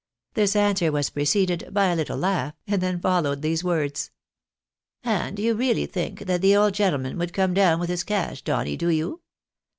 This answer was preceded by a little laugh, and then followed these words — "And you really think that the old gentleman would come down with his cash, Donny, do you?